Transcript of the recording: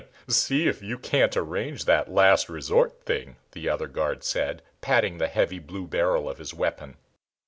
"See if you can't arrange that last resort thing," the other guard said, patting the heavy blue barrel of his weapon.